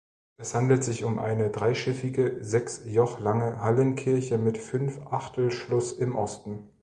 Es handelt sich um eine dreischiffige, sechs Joch lange Hallenkirche mit Fünfachtelschluss im Osten.